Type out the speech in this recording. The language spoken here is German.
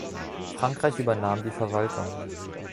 Frankreich übernahm die Verwaltung.